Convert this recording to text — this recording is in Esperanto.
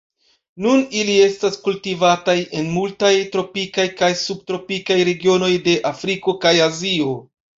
Nun ili estas kultivataj en multaj tropikaj kaj subtropikaj regionoj de Afriko kaj Azio.